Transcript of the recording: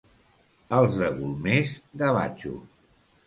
Els de Golmés, gavatxos.